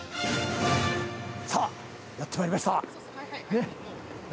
さあやってまいりました。